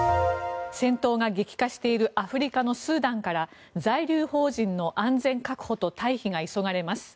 戦闘が激化しているアフリカのスーダンから在留邦人の安全確保と退避が急がれます。